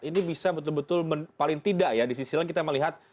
ini bisa betul betul paling tidak ya di sisi lain kita melihat